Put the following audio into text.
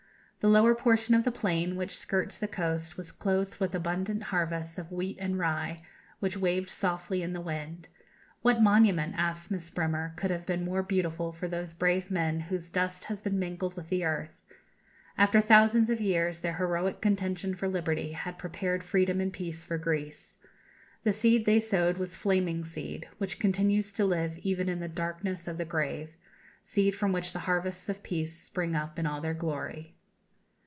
The lower portion of the plain, which skirts the coast, was clothed with abundant harvests of wheat and rye, which waved softly in the wind. What monument, asks Miss Bremer, could have been more beautiful for those brave men whose dust has been mingled with the earth? After thousands of years their heroic contention for liberty had prepared freedom and peace for Greece. The seed they sowed was "flaming" seed, which continues to live even in the darkness of the grave; seed from which the harvests of peace spring up in all their glory.